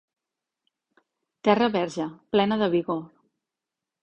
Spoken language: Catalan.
Terra verge, plena de vigor.